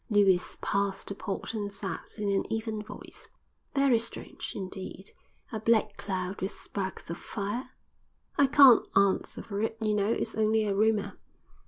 Lewis passed the port and said in an even voice: "Very strange, indeed; a black cloud with sparks of fire?" "I can't answer for it, you know; it's only a rumor."